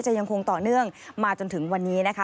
ยังคงต่อเนื่องมาจนถึงวันนี้นะคะ